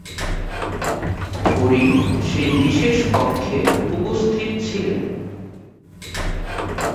করিম সেই বিশেষ কক্ষে উপস্থিত ছিলেন।